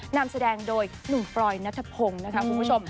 นำแสดงโดยหนุ่มฟรอยนัทพงศ์นะคะคุณผู้ชม